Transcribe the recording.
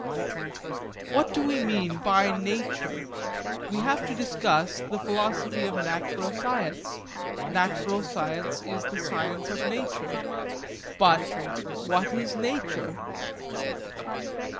What do we mean by nature? We have to discuss the philosophy of natural science. Natural science is the science of nature. But What is nature?